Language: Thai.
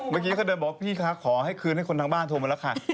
เมื่อกี้ก็เดินบอกพี่คะขอให้คืนให้คนทางบ้านโทรมาแล้วค่ะ